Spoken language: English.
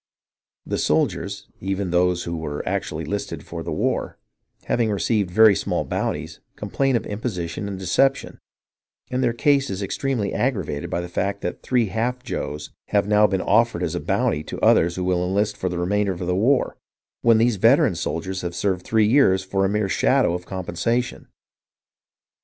The soldiers, even those who were actually listed for the war, having received very small bounties, complain of imposition and deception, and their case is extremely aggravated by the fact that three half joes have now been offered as a bounty to others who will enlist for the remainder of the war, when these veteran soldiers have served three years for a mere shadow of compensation